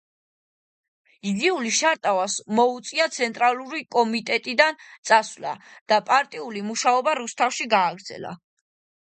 ჟიული შარტავას მოუწია ცენტრალური კომიტეტიდან წასვლამ და პარტიული მუშაობა რუსთავში გააგრძელა.